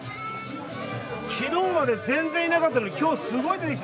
昨日まで全然いなかったのに今日すごい出てきた。